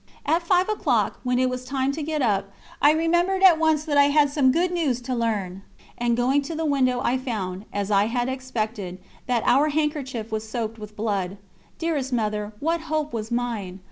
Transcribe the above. At five o'clock, when it was time to get up, I remembered at once that I had some good news to learn, and going to the window I found, as I had expected, that our handkerchief was soaked with blood. Dearest Mother, what hope was mine!